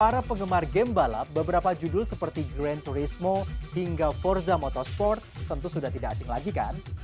para penggemar game balap beberapa judul seperti grand tourismo hingga forza motorsport tentu sudah tidak asing lagi kan